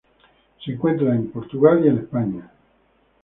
Se encuentra en Portugal y España.